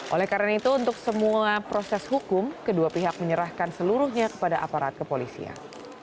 oleh karena itu untuk semua proses hukum kedua pihak menyerahkan seluruhnya kepada aparat kepolisian